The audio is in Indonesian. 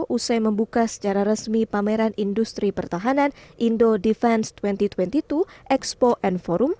usai membuka secara resmi pameran industri pertahanan indo defense dua ribu dua puluh dua expo and forum